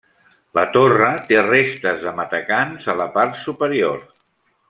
La torre té restes de matacans a la part superior.